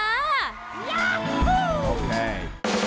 ยาฮู้โอเค